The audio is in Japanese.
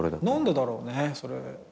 何でだろうねそれ。